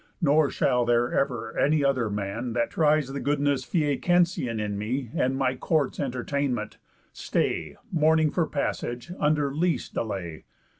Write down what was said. Nor shall there ever any other man That tries the goodness Phæacensian In me, and my court's entertainment, stay, Mourning for passage, under least delay.